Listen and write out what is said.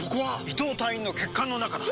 伊藤隊員の血管の中だ！